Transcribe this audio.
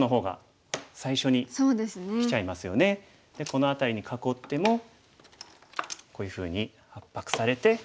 この辺りに囲ってもこういうふうに圧迫されて。